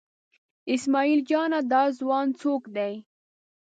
اسمعیل جانه دا ځوان څوک دی؟